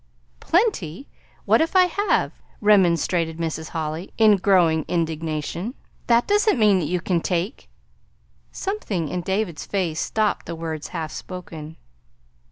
"Plenty! What if I have?" remonstrated Mrs. Holly, in growing indignation. "That doesn't mean that you can take " Something in David's face stopped the words half spoken.